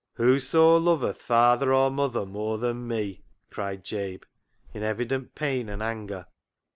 " Whoso loveth father or mother more than Me," cried Jabe, in evident pain and anger.